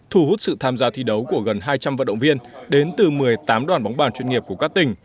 thu hút sự tham gia thi đấu của gần hai trăm linh vận động viên đến từ một mươi tám đoàn bóng bàn chuyên nghiệp của các tỉnh